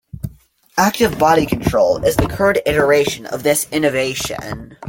"Active Body Control" is the current iteration of this innovation.